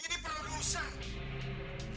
ini para rusak